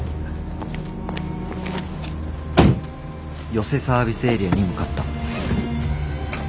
与瀬サービスエリアに向かった。